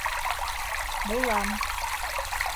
Булам.